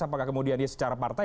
apakah kemudian dia secara partai